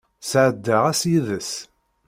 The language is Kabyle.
Sɛeddaɣ ass yid-s.